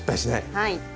はい。